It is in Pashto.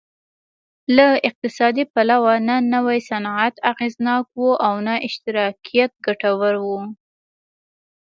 له اقتصادي پلوه نه نوی صنعت اغېزناک و او نه اشتراکیت ګټور و